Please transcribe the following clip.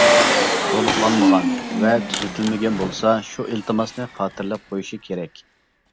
تولۇقلانمىغان ۋە تۈزىتىلمىگەن بولسا، شۇ ئىلتىماسنى خاتىرىلەپ قويۇشى كېرەك.